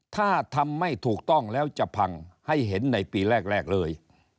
ถ้าทำไม่ถูกต้องแล้วจะพังให้เห็นในปีแรกเลย